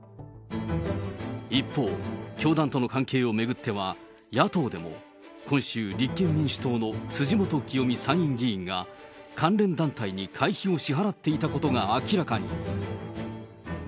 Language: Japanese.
一方、教団との関係を巡っては野党でも、今週、立憲民主党の辻元清美参院議員が、関連団体に会費を支払っていたことが明らかに。